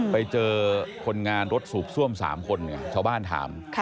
ไปเจอคนงานรถสูบซ่วม๓คนไงชาวบ้านถาม